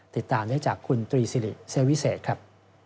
ติดตามได้จากคุณตรีสิริเซวิเศษครับ